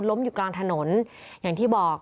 อยู่กลางถนนอย่างที่บอก